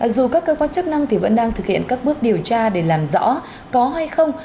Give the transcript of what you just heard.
dù các cơ quan chức năng vẫn đang thực hiện các bước điều tra để làm rõ có hay không